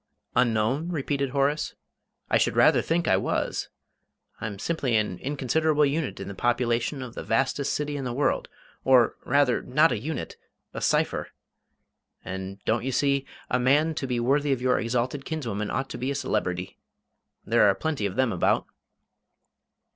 "Unknown?" repeated Horace; "I should rather think I was! I'm simply an inconsiderable unit in the population of the vastest city in the world; or, rather, not a unit a cipher. And, don't you see, a man to be worthy of your exalted kinswoman ought to be a celebrity. There are plenty of them about."